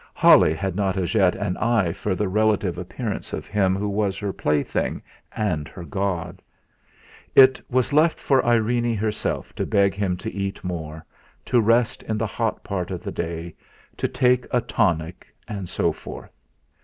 Holly had not as yet an eye for the relative appearance of him who was her plaything and her god. It was left for Irene herself to beg him to eat more, to rest in the hot part of the day, to take a tonic, and so forth.